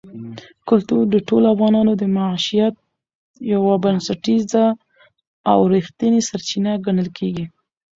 کلتور د ټولو افغانانو د معیشت یوه بنسټیزه او رښتینې سرچینه ګڼل کېږي.